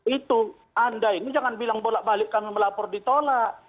itu anda ini jangan bilang bolak balik kami melapor ditolak